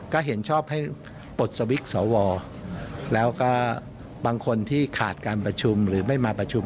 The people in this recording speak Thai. ก็เห็นชอบให้ปลดสวิกสวแล้วก็บางคนที่ขาดการประชุมหรือไม่มาประชุม